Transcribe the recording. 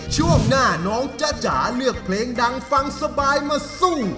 ช่วงหน้าน้องจ๊ะจ๋าเลือกเพลงดังฟังสบายมาสู้